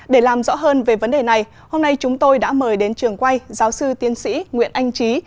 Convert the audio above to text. để làm rõ hơn về vấn đề này hôm nay chúng tôi đã mời đến trường quay giáo sư tiến sĩ nguyễn anh trí